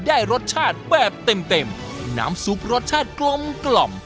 ได้รสชาติแบบเต็มเต็มน้ำซุปรสชาติกลมกล่อม